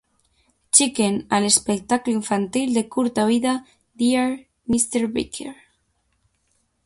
Chicken, a l'espectacle infantil de curta vida "Dear Mr. Barker".